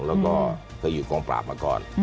แล้วก็เคยอยู่กองปราบมาก่อน